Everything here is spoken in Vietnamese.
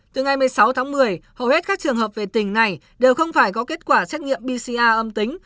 từ ngày một mươi sáu tháng một mươi hầu hết các trường hợp về tỉnh này đều không phải có kết quả xét nghiệm pcr âm tính